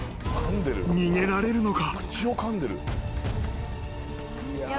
逃げられるのか？］